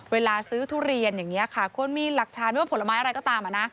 เวลาซื้อทุเรียนอย่างนี้ค่ะควรมีหลักฐานว่าผลไม้อะไรก็ตาม